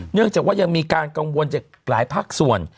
เนื่องจากว่ายังมีการกังวลจากหลายภาคส่วน